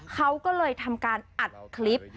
เขาก็เลยทำการอัดคลิป